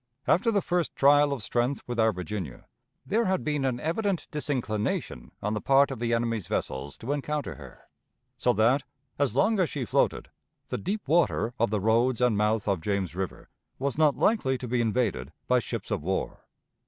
After the first trial of strength with our Virginia, there had been an evident disinclination on the part of the enemy's vessels to encounter her, so that, as long as she floated, the deep water of the roads and mouth of James River. was not likely to be invaded by ships of war.